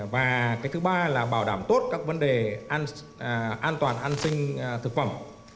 và cái thứ ba là bảo đảm tốt các vấn đề an toàn an sinh thực phẩm